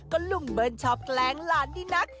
ก็ลุงเบิ้ลชอบแกล้งหลานดีนัก